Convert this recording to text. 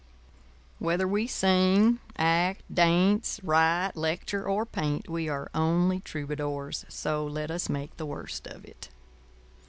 Whether we sing, act, dance, write, lecture, or paint, we are only troubadours; so let us make the worst of it.